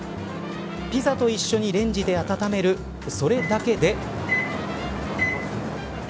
ピザと一緒にレンジで温めるそれだけで。